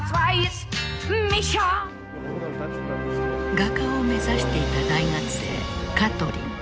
画家を目指していた大学生カトリン。